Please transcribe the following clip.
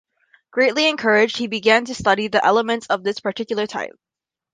Greatly encouraged, he began to study the elements of this particular type.